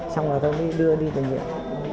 xong rồi tao đi đưa đi bệnh viện